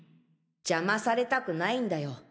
邪魔されたくないんだよ。